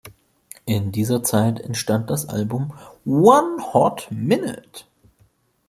In dieser Zeit entstand das Album "One Hot Minute".